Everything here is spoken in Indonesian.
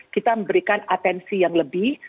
kita memberikan atensi yang lebih